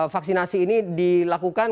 vaksinasi ini dilakukan